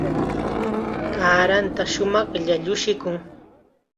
Kaaranta shumaqllam llushikun.